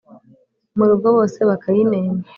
Mu rugo bose bakayinena,